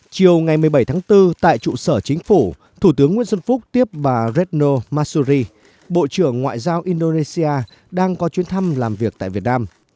chiều ngày một mươi bảy tháng bốn tại trụ sở chính phủ thủ tướng nguyễn xuân phúc tiếp bà redno masuri bộ trưởng ngoại giao indonesia đang có chuyến thăm làm việc tại việt nam